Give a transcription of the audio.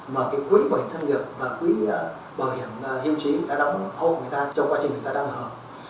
mà cái quỹ bảo hiểm thất nghiệp và quỹ bảo hiểm hưu trí đã đóng hộ người ta trong quá trình người ta đang hưởng